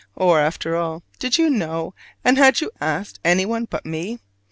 Or, after all, did you know, and had you asked anyone but me?